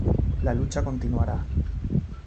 La lucha continuará.